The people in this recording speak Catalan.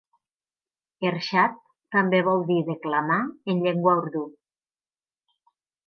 Ershad també vol dir "declamar" en llengua urdú.